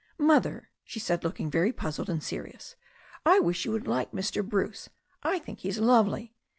"Mother," she said, looking very puzzled and serious, "I wish you would like Mr. Bruce. I think he's lovely."